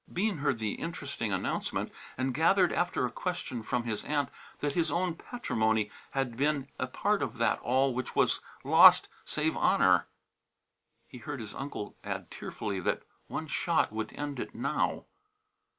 Bean heard the interesting announcement, and gathered, after a question from his aunt, that his own patrimony had been a part of that all which was lost save honour. He heard his uncle add tearfully that one shot would end it now.